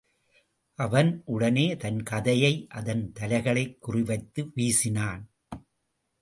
அவன் உடனே தன் கதையை அதன் தலைகளைக் குறி வைத்து வீசினான்.